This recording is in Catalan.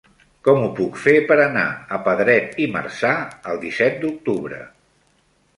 Com ho puc fer per anar a Pedret i Marzà el disset d'octubre?